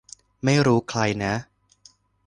ไม่รู้ใครนะ